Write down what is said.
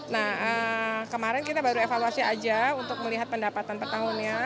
nah kemarin kita baru evaluasi aja untuk melihat pendapatan per tahunnya